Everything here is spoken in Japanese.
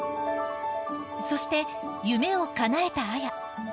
そして、夢をかなえた綾。